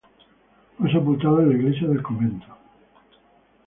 Fue sepultado en la iglesia del convento.